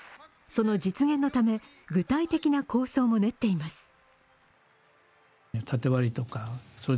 その実現のため、具体的な構想も練っています。